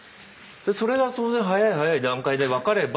それが当然早い早い段階で分かれば。